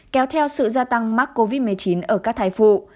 kéo theo sự gia tăng mắc covid một mươi chín ở các thai phụ